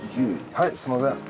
はいすみません。